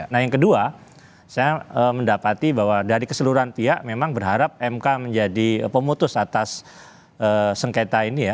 nah yang kedua saya mendapati bahwa dari keseluruhan pihak memang berharap mk menjadi pemutus atas sengketa ini ya